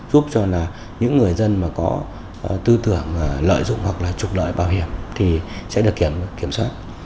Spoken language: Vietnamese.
giúp cho những người dân mà có tư tưởng lợi dụng hoặc là trục lợi bảo hiểm thì sẽ được kiểm soát